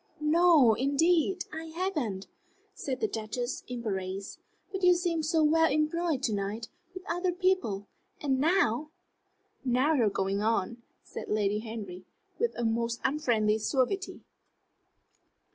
"No, indeed, I haven't," said the Duchess, embarrassed. "But you seemed so well employed to night, with other people. And now " "Now you are going on," said Lady Henry, with a most unfriendly suavity.